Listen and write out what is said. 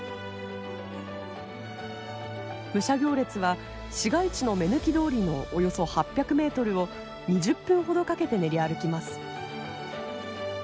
武者行列は市街地の目抜き通りのおよそ８００メートルを２０分ほどかけて練り歩きます。